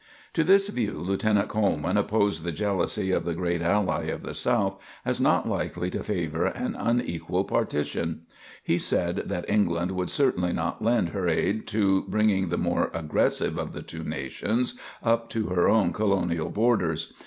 To this view Lieutenant Coleman opposed the jealousy of the great ally of the South as not likely to favor an unequal partition; he said that England would certainly not lend her aid to bringing the more aggressive of the two nations up to her own colonial borders.